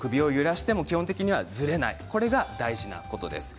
首を揺らしてもずれないこれが大事なことです。